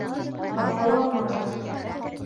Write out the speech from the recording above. — Хафаланмағыҙ